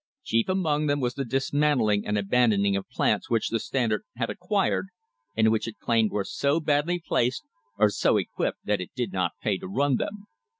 Chief among them was the dismantling or abandoning of plants which the Standard had "acquired," and which it claimed were so badly placed or so equipped that it did not pay to run them.